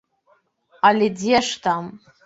Але дзе ж там!